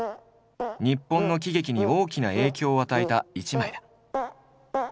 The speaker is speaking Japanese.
日本の喜劇に大きな影響を与えた１枚だ。